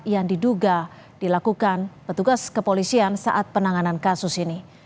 yang diduga dilakukan petugas kepolisian saat penanganan kasus ini